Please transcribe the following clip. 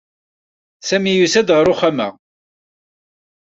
Sami yusa-d ɣer uxxam-a.